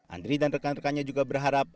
andri dan rekan rekannya juga berharap